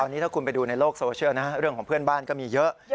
ตอนนี้ถ้าคุณไปดูในโลกโซเชียลนะเรื่องของเพื่อนบ้านก็มีเยอะ